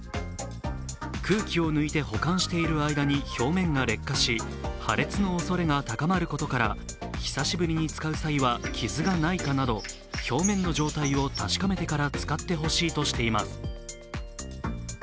空気を抜いて保管している間に表面が劣化し、破裂のおそれが高まることから久しぶりに使う際には傷がないかなど表面の状態を確かめてから使ってほしいとしています。